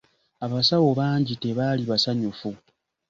Abasawo bangi tebaali basanyufu.